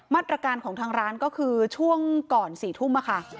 มาตรการของทางร้านก็คือช่วงก่อน๔ทุ่มค่ะ